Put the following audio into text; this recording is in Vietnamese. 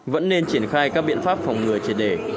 vẫn nên triển khai các biện pháp phòng ngừa triệt đề